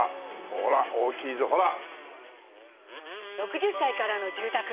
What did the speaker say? ほら大きいぞほら！